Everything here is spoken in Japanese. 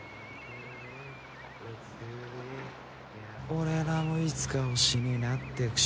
俺らもいつか星になってく